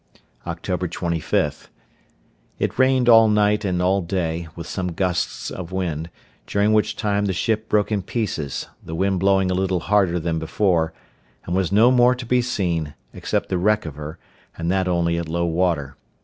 Oct. 25.—It rained all night and all day, with some gusts of wind; during which time the ship broke in pieces, the wind blowing a little harder than before, and was no more to be seen, except the wreck of her, and that only at low water.